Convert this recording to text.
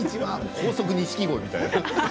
高速錦鯉みたい。